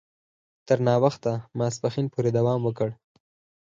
تر ناوخته ماپښین پوري دوام وکړ.